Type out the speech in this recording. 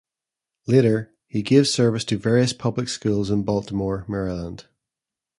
Later, he gave service to various public schools in Baltimore, Maryland.